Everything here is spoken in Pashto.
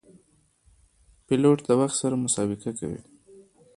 پیلوټ د وخت سره مسابقه کوي.